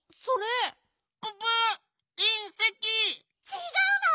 ちがうの！